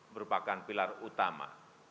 merupakan pilar utama